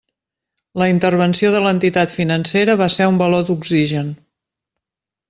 La intervenció de l'entitat financera va ser un baló d'oxigen.